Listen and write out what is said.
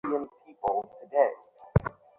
এই ঘৃণা আমার প্রাপ্য।